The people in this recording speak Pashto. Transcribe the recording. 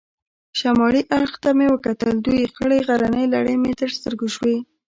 شمالي اړخ ته مې وکتل، دوې خړې غرنۍ لړۍ مې تر سترګو شوې.